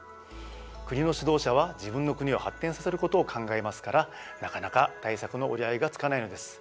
国の指導者は自分の国を発展させることを考えますからなかなか対策の折り合いがつかないのです。